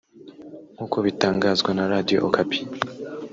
nk’uko bitangazwa na Radio Okapi